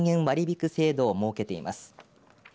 割り引く制度を設けています。